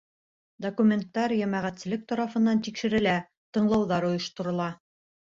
Документтар йәмәғәтселек тарафынан тикшерелә, тыңлауҙар ойошторола.